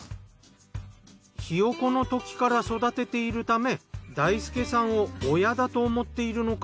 ヒヨコのときから育てているため大輔さんを親だと思っているのか